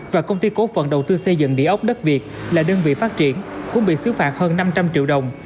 và công ty cố phận đầu tư xây dựng địa ốc đất việt là đơn vị phát triển cũng bị xứ phạt hơn năm trăm linh triệu đồng